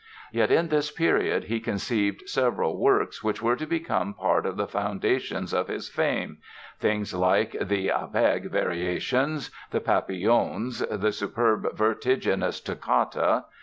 Yet in this period he conceived several works which were to become part of the foundations of his fame—things like the "Abegg" Variations, the "Papillons", the superb, vertiginous Toccata.